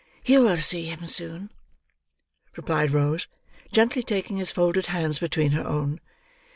"You will see him soon," replied Rose, gently taking his folded hands between her own.